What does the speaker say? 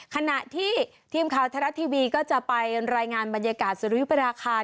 ขณะที่ทีมข่าวไทยรัฐทีวีก็จะไปรายงานบรรยากาศสุริยุปราคา